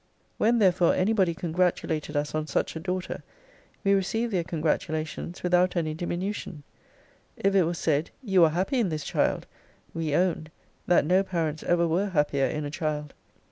When therefore any body congratulated us on such a daughter, we received their congratulations without any diminution. If it was said, you are happy in this child! we owned, that no parents ever were happier in a child.